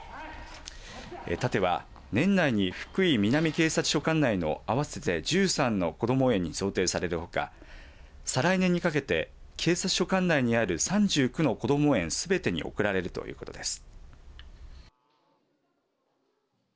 盾は年内に福井南警察署管内の合わせて１３のこども園に贈呈されるほか再来年にかけて警察署管内にある３９のこども園すべてに贈られるということです。